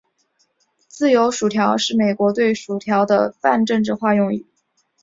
自由薯条是美国对炸薯条的泛政治化用语。